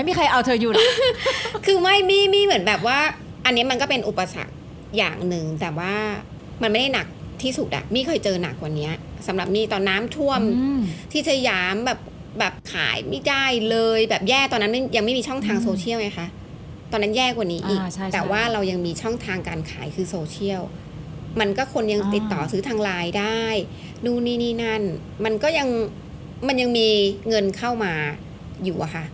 มันก็คนยังติดต่อซื้อทางไลน์ได้นู่นนี่นั่นมันก็ยังมันยังมีเงินเข้ามาอยู่อะค่ะ